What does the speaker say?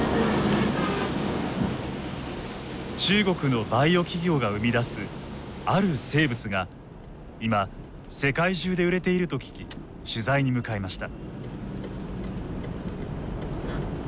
中国のバイオ企業が生み出すある生物が今世界中で売れていると聞き取材に向かいました。